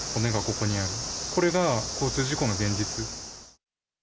これが交通事故の現実。